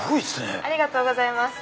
ありがとうございます。